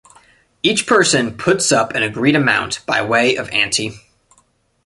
Each person puts up an agreed amount by way of ante.